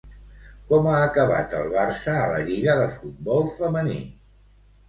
Com ha acabat el Barça a la lliga de futbol femení?